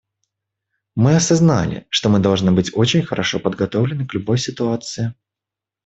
Мы осознали, что мы должны быть очень хорошо подготовлены к любой ситуации.